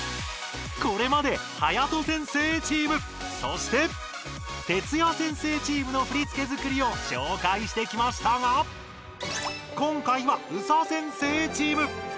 これまではやと先生チームそしてＴＥＴＳＵＹＡ先生チームの振付づくりを紹介してきましたが今回はＳＡ先生チーム！